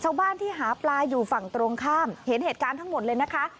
ชาวบ้านที่หาปลาอยู่ฝั่งตรงข้ามเห็นเหตุการณ์ทั้งหมดเลยนะคะ